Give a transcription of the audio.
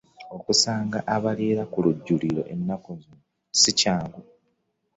Okusanga abaliira ku lujjuliro ensangi zino si kyangu.